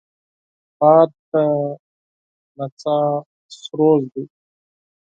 باد د نڅا موزیک دی